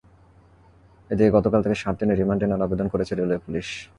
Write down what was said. এদিকে গতকাল তাঁকে সাত দিনের রিমান্ডে নেওয়ার আবেদন করেছে রেলওয়ে পুলিশ।